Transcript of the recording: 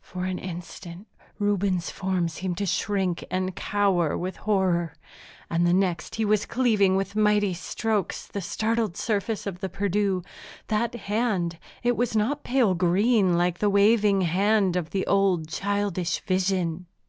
For an instant Reuben's form seemed to shrink and cower with horror, and the next he was cleaving with mighty strokes the startled surface of the Perdu. That hand it was not pale green, like the waving hand of the old, childish vision.